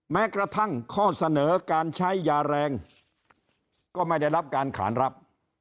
แม้กระทั่งข้อเสนอการใช้ยาแรงก็ไม่ได้รับการขานรับ